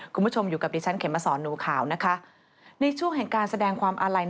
คุณผู้ชมอยู่กับดิฉันเข็มมาสอนหนูขาวนะคะในช่วงแห่งการแสดงความอาลัย